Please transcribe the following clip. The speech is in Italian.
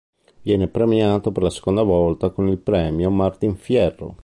Viene premiato per la seconda volta con il Premio Martín Fierro.